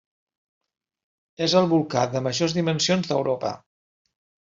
És el volcà de majors dimensions d'Europa.